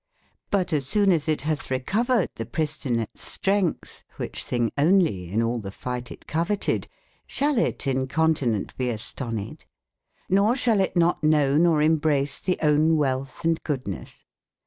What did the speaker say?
But as soone as it bathe re covered the pristinate strength, which thingonelyin all theftght it coveted, shal itincontinentbeastonied?]^orshalitnot know nor im brace the owne wealthe and goodnes?